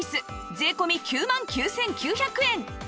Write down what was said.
税込９万９９００円